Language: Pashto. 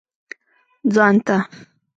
ځان ته.